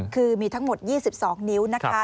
คือมีทั้งหมด๒๒นิ้วนะคะ